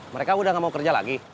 mereka udah gak mau kerja lagi